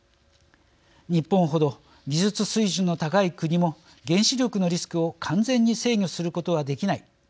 「日本ほど技術水準の高い国も原子力のリスクを完全に制御することはできない」。